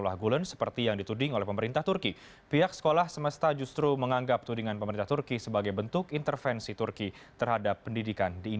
arya ditotama tangerang selatan